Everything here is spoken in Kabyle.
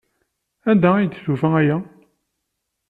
Anda ay d-tufa aya?